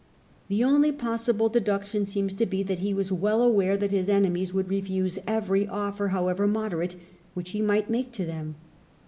The only possible deduction seems to be that he was well aware that his enemies would refuse every offer, however moderate, which he might make to them.